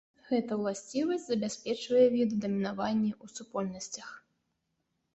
Гэта ўласцівасць забяспечвае віду дамінаванне ў супольнасцях.